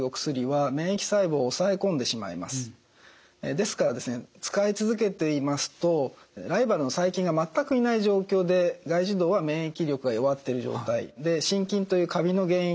ですから使い続けていますとライバルの細菌が全くいない状況で外耳道は免疫力が弱っている状態で真菌というカビの原因